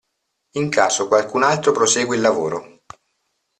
In caso qualcun altro prosegue il lavoro.